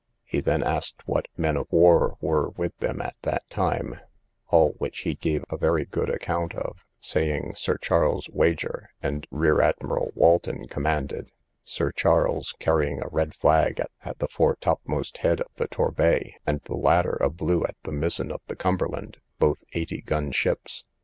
He then asked what men of war were with them at that time; all which he gave a very good account of, saying, Sir Charles Wager and Rear Admiral Walton commanded; Sir Charles carrying a red flag at the fore topmast head of the Torbay, and the latter a blue at the mizen of the Cumberland, both eighty gun ships.